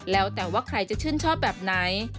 แล้วแต่ว่าใครจะชื่นชอบแบบไหน